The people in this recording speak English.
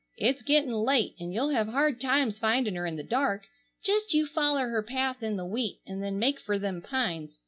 It's gettin' late and you'll have hard times finding her in the dark. Just you foller her path in the wheat, and then make fer them pines.